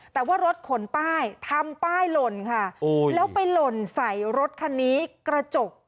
แต่ว่ารถขนป้ายทำป้ายหล่นค่ะโอ้ยแล้วไปหล่นใส่รถคันนี้กระจก